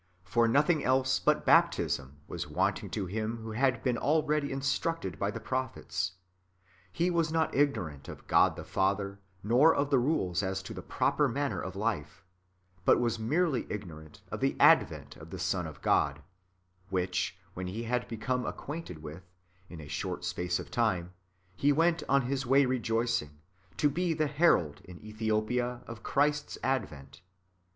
For nothing else [but baptism] was wantinn; to him who had been alreadv instructed bv the prophets : he was not ignorant of God the Father, nor of the rules as to the [proper] manner of life, but was merely ignorant of the advent of the Son of God, which, when he ' had become acquainted with, in a short space of time, he went on his way rejoicing, to be the herald in Ethiopia of Christ's advent.